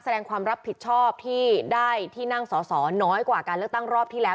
แสดงความรับผิดชอบที่ได้ที่นั่งสอสอน้อยกว่าการเลือกตั้งรอบที่แล้ว